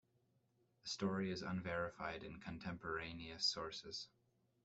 The story is unverified in contemporaneous sources.